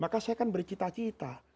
maka saya kan bercita cita